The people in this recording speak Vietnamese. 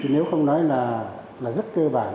nếu không nói là rất cơ bản là xây dựng